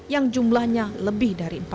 yang jumlahnya lebih dari